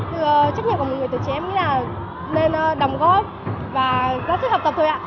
trách nhiệm của một người tuổi trẻ em nghĩ là nên đồng góp và giác sức học tập thôi ạ